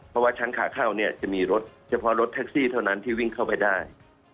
เพราะว่าชั้นขาเข้าเนี่ยจะมีรถเฉพาะรถแท็กซี่เท่านั้นที่วิ่งเข้าไปได้